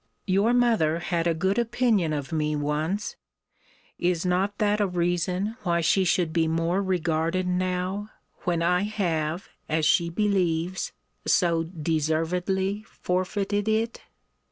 Your mother had a good opinion of me once: is not that a reason why she should be more regarded now, when I have, as she believes, so deservedly forfeited it?